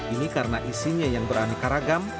ini karena isinya yang beraneka ragam